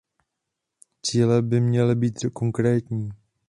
Cíle by měly být konkrétní.